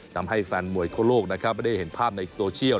ทำให้แฟนมวยทั่วโลกนะครับได้เห็นภาพในโซเชียล